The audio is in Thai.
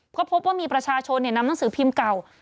ก็พบว่ามีประชาชนนำหนังสือพิมพ์เก่า